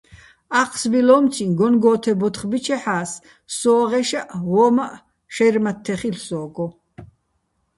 ა́ჴსბილო́მციჼ გონგო́თე ბოთხ ბიჩეჰ̦ა́ს, სო́ღეშაჸ ვო́მაჸ შაჲრი̆ მათთე ხილ'ო̆ სო́გო.